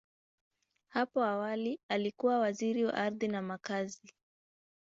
Hapo awali, alikuwa Waziri wa Ardhi na Makazi.